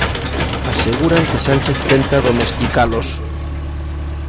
Aseguran que Sánchez tenta domesticalos.